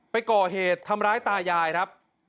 ไปก่อเหตุทำร้ายตายายครับ